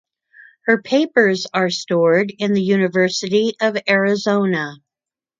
Her papers are stored in the University of Arizona.